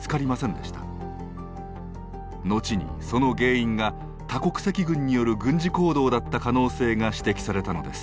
後にその原因が多国籍軍による軍事行動だった可能性が指摘されたのです。